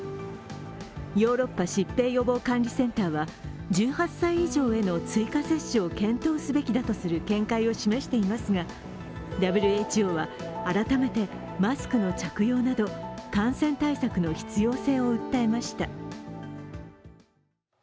ヨーロッパ疾病予防管理センターは１８歳以上への追加接種を検討すべきだとする見解を示していますがＷＨＯは改めてマスクの着用など感染対策の必要性を訴えました。